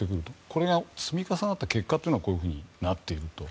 これが積み重なった結果がこういうふうになっていると。